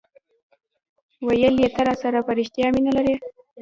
ویل یي ته راسره په ریښتیا مینه لرې